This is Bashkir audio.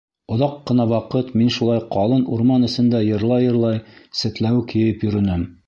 Оҙаҡ ҡына ваҡыт мин шулай ҡалын урман эсендә йырлай-йырлай сәтләүек йыйып йөрөнөм.